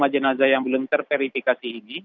lima jenazah yang belum terverifikasi ini